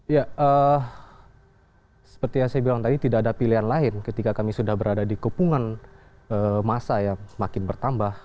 ya seperti yang saya bilang tadi tidak ada pilihan lain ketika kami sudah berada di kepungan masa yang semakin bertambah